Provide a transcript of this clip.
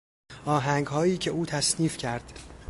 آهنگهایی که او تصنیف کرد